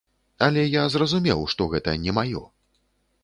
Але я зразумеў, што гэта не маё.